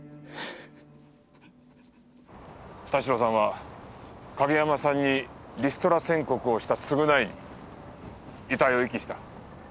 田代さんは景山さんにリストラ宣告をした償いに遺体を遺棄した。